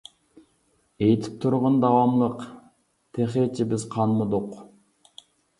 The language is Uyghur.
ئېيتىپ تۇرغىن داۋاملىق، تېخىچە بىز قانمىدۇق.